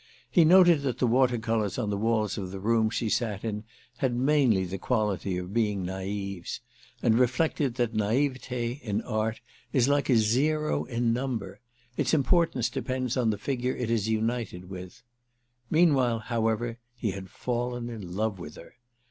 He noted that the water colours on the walls of the room she sat in had mainly the quality of being naïves, and reflected that naïveté in art is like a zero in a number: its importance depends on the figure it is united with. Meanwhile, however, he had fallen in love with her.